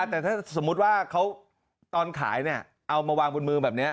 แต่ถ้าสมมุติว่าเขาตอนขายเนี่ยเอามาวางบนมือแบบนี้